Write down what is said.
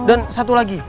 dan satu lagi